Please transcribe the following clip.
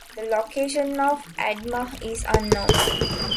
The location of Admah is unknown.